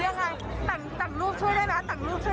ถ้าเรามันไม่พอก็เอาตัวนั่นได้